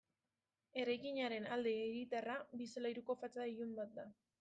Eraikinaren alde hiritarra, bi solairuko fatxada ilun bat da.